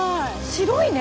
白いね。